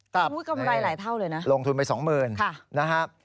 กำไรหลายเท่าเลยนะลงทุนไป๒๐๐๐๐บาทนะครับ